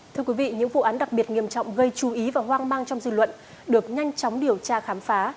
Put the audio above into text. thưa quý vị những vụ án đặc biệt nghiêm trọng gây chú ý và hoang mang trong dư luận được nhanh chóng điều tra khám phá